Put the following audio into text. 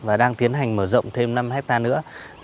và đang tiến hành mở rộng thêm năm hectare nữa